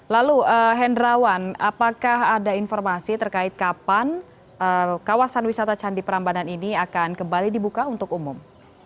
lalu hendrawan apakah ada informasi terkait kapan kawasan wisata candi prambanan ini akan kembali dibuka untuk umum